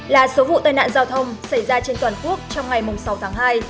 ba mươi một là số vụ tai nạn giao thông xảy ra trên toàn quốc trong ngày sáu tháng hai